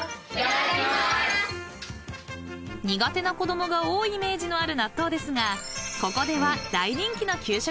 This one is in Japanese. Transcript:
［苦手な子供が多いイメージのある納豆ですがここでは大人気の給食のようで］